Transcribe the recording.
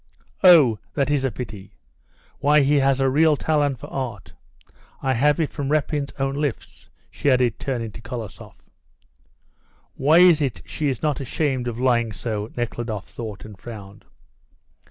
"Oh, that is a pity! Why, he has a real talent for art; I have it from Repin's own lips," she added, turning to Kolosoff. "Why is it she is not ashamed of lying so?" Nekhludoff thought, and frowned.